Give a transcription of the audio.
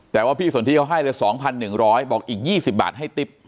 แต่ว่าพี่สนที่เขาให้เลย๒๑๐๐บอกอีก๒๐บาทให้ติ๊บ